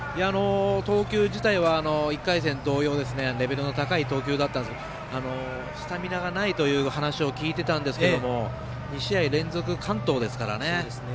投球自体は１回戦同様レベルの高い投球だったんですがスタミナがないという話を聞いていたんですけど２試合連続完投ですからね